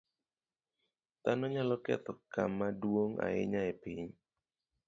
Dhano nyalo ketho kama duong' ahinya e piny.